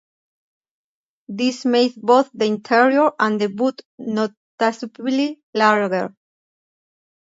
This made both the interior and the boot noticeably larger.